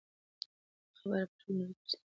خبر په ټوله نړۍ کې په چټکۍ خپریږي.